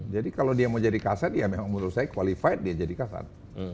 jadi kalau dia mau jadi kasat dia memang menurut saya qualified dia jadi kasat